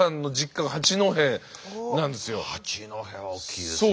八戸は大きいですよ。